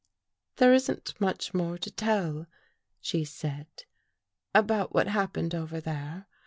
" There isn't much more to tell," she said, " about what happened over there.